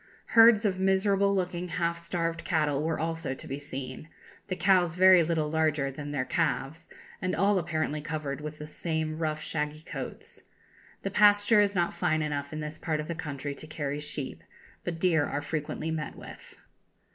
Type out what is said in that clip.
Herds of miserable looking, half starved cattle were also to be seen; the cows very little larger than their calves, and all apparently covered with the same rough shaggy coats. The pasture is not fine enough in this part of the country to carry sheep, but deer are frequently met with....